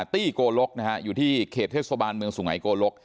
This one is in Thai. ตี้โกลกนะฮะอยู่ที่เขตเทศบาลเมืองสุไงโกลก